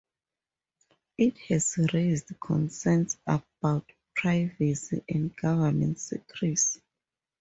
It has raised concerns about privacy and government secrecy.